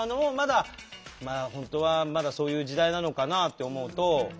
まあ本当はまだそういう時代なのかなあって思うと。